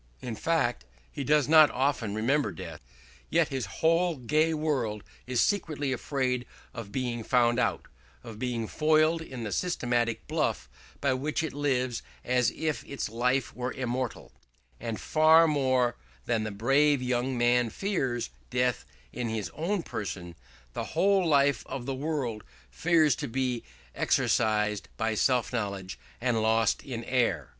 In fact, he does not often remember death: yet his whole gay world is secretly afraid of being found out, of being foiled in the systematic bluff by which it lives as if its life were immortal; and far more than the brave young man fears death in his own person, the whole life of the world fears to be exorcised by self knowledge, and lost in air.